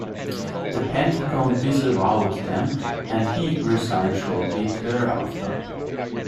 The Pentagon disavowed them and he resigned shortly thereafter.